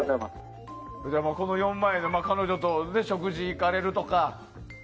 この４万円で彼女と食事に行かれるとか。